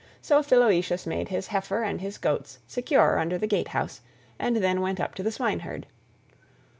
So Philoetius made his heifer and his goats secure under the gatehouse, and then went up to the swineherd.